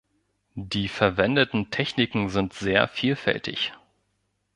Die verwendeten Techniken sind sehr vielfältig.